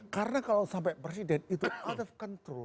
karena kalau sampai presiden itu out of control